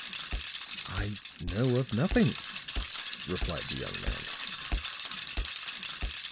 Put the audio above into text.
"I know of nothing," replied the young man.